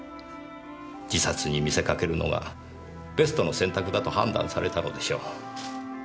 自殺に見せかけるのがベストの選択だと判断されたのでしょう。